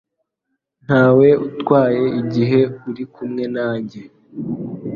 Ntawe utwaye igihe uri kumwe nanjye.